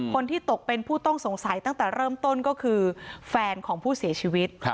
คนที่ตกเป็นผู้ต้องสงสัยตั้งแต่เริ่มต้นก็คือแฟนของผู้เสียชีวิต